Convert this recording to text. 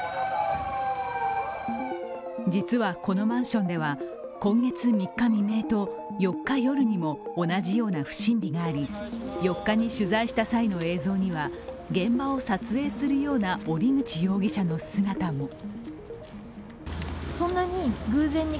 実はこのマンションでは今月３日未明と４日夜にも同じような不審火があり４日に取材した際の映像には現場を撮影するような折口容疑者の姿も。